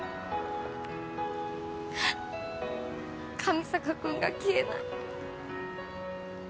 上坂君が消えない。